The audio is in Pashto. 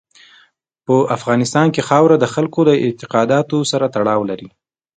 په افغانستان کې خاوره د خلکو د اعتقاداتو سره تړاو لري.